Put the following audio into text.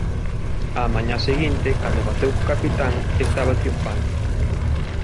Á mañá seguinte, cando bateu co capitán, estaba triunfante.